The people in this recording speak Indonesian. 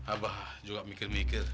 abah juga mikir mikir